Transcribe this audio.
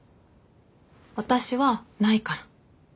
私はないから。